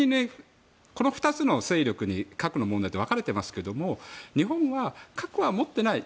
この２つの勢力に核の問題って分かれてますけど日本は核は持っていない。